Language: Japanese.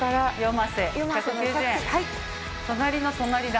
隣の隣だ。